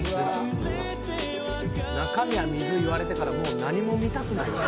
中身は水言われてから何も見たくない。